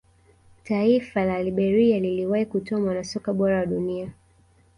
taifa la liberia liliwahi kutoa mwanasoka bora wa dunia